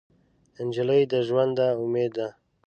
نجلۍ د ژونده امید ده.